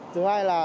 thứ hai là